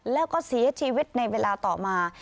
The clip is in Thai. แล้วก็เสียชีวิตในเวลาต่อมา